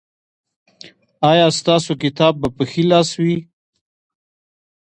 ایا ستاسو کتاب به په ښي لاس وي؟